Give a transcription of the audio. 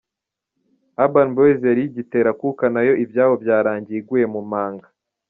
Urban Boyz yari igitera akuka nayo ibyabo byarangiye iguye mu manga.